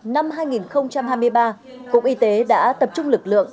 năm hai nghìn hai mươi ba cục y tế đã tập trung lực lượng